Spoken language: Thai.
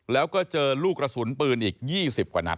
แล้วก็เจอลูกกระสุนปืนอีก๒๐กว่านัด